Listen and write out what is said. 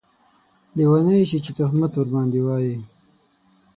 لیونۍ شې چې تهمت ورباندې واېې